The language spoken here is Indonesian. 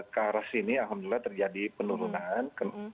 ke arah sini alhamdulillah terjadi penurunan